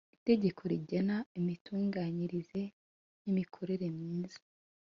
itegeko rigena imitunganyirize n imikorere myiza